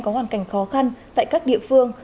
có hoàn cảnh khó khăn tại các địa phương